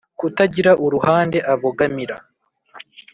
kutagira uruhande abogamira